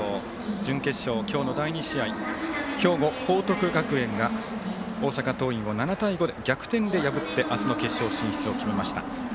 準決勝、今日の第２試合兵庫・報徳学園が大阪桐蔭を７対５で逆転で破って明日の決勝進出を決めました。